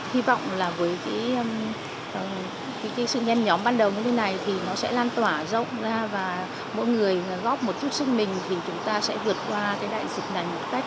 hy vọng là với cái sự nhân nhóm ban đầu như thế này thì nó sẽ lan tỏa rộng ra và mỗi người góp một chút sức mình thì chúng ta sẽ vượt qua cái đại dịch này một cách